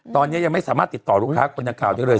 ตอนนี้ยังไม่สามารถติดต่อลูกค้าคนดังกล่าวได้เลย